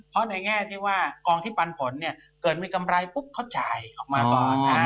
เพราะในแง่ที่ว่ากองที่ปันผลเนี่ยเกิดมีกำไรปุ๊บเขาจ่ายออกมาก่อน